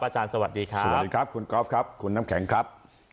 อาจารย์สวัสดีครับสวัสดีครับคุณกอล์ฟครับคุณน้ำแข็งครับ